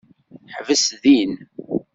Ḥbes din.